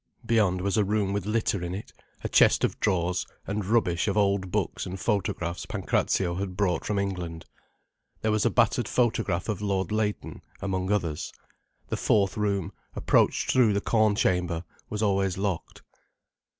Beyond was a room with litter in it, a chest of drawers, and rubbish of old books and photographs Pancrazio had brought from England. There was a battered photograph of Lord Leighton, among others. The fourth room, approached through the corn chamber, was always locked.